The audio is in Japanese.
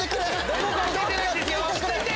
どこか押せてないですよ。